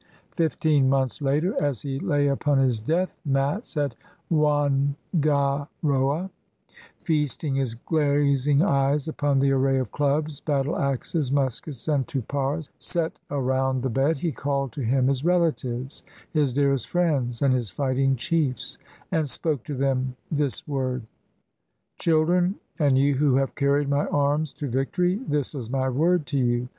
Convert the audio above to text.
Fifteen months later, as he lay upon his death mats SOI ISLANDS OF THE PACIFIC at Whangaroa, feasting his glazing eyes upon the array of clubs, battle axes, muskets, and tupara set around the bed, he called to him his relatives, his dearest friends, and his fighting chiefs, and spoke to them this word :— "Children, and you who have carried my arms to victory, this is my word to you.